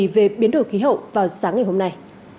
về biến đổi khí hậu vào sáng ngày hôm nay